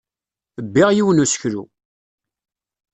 Bbiɣ yiwen n useklu.